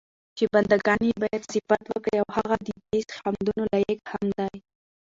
چې بندګان ئي بايد صفت وکړي، او هغه ددي حمدونو لائق هم دی